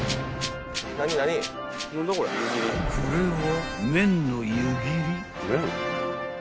［これは］